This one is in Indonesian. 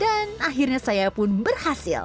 dan akhirnya saya pun berhasil